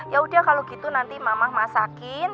yaudah kalau gitu nanti mama masakin